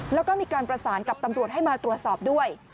แล้วก็มีการประสานกับตำรวจให้มาตรวจสอบด้วย